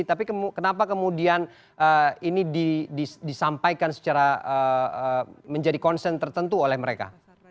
tapi kenapa kemudian ini disampaikan secara menjadi concern tertentu oleh mereka